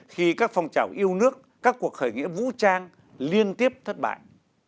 khi các phong trào yêu nước các cuộc khởi nghĩa vũ trang liên tiếp thất bại